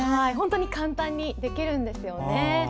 本当に簡単にできるんですよね。